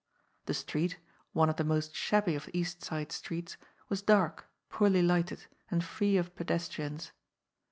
The street, one of the most shabby of East Side streets, was dark, poorly lighted, and free of pedestrians.